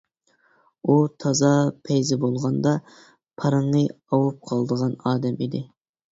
ئۇ تازا پەيزى بولغاندا پارىڭى ئاۋۇپ قالىدىغان ئادەم ئىدى.